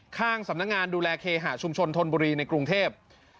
ข้างสำนักงานดูแลเคหะชุมชนธนบุรีในกรุงเทพ